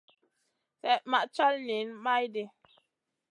Slèh ma cal niyn maydi.